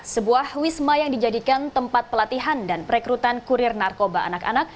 sebuah wisma yang dijadikan tempat pelatihan dan perekrutan kurir narkoba anak anak